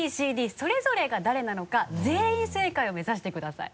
それぞれが誰なのか全員正解を目指してください。